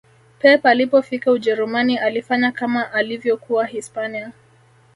pep alipofika ujerumani alifanya kama alivyokuwa hispania